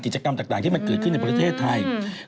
กิจกรรมต่างที่มันเกิดขึ้นในประเทศไทย